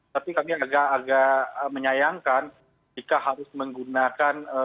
tapi kami agak agak menyayangkan jika harus menggunakan